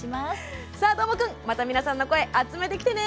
どーもくん、また皆さんの声を集めてきてね。